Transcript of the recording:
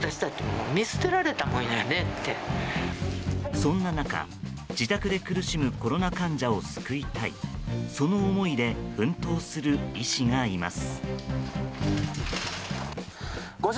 そんな中、自宅で苦しむコロナ患者を救いたいその思いで奮闘する医師がいます。